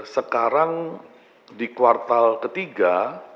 sekarang di kuartal ketiga